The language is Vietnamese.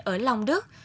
ở long đức